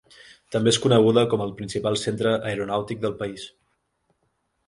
També és coneguda com el principal centre aeronàutic del país.